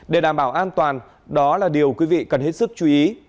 để đảm bảo an toàn đó là điều quý vị cần hết sức chú ý